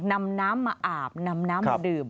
นำน้ำมาอาบนำน้ำมาดื่ม